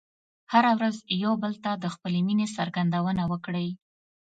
هره ورځ یو بل ته د خپلې مینې څرګندونه وکړئ.